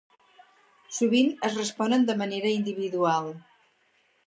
Sovint es responen de manera individual.